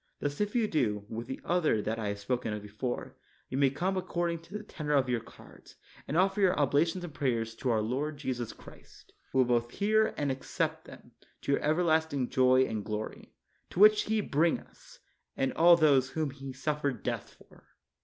Thus if you do, with the other that I have spoken of before, ye may come according to the tenor of your cards, and offer your obla tions and prayers to our Lord Jesus Christ, who will both hear and accept them to your everlast ing joy and glory ; to the which He bring us, and all those whom He suffered death for.